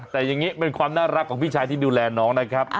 แต่อย่างนี้เป็นความน่ารักของพี่ชายที่ดูแลน้องนะครับ